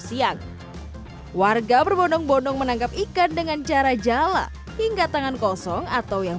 siang warga berbondong bondong menangkap ikan dengan cara jala hingga tangan kosong atau yang